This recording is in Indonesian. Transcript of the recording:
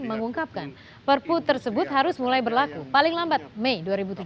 mengungkapkan perpu tersebut harus mulai berlaku paling lambat mei dua ribu tujuh belas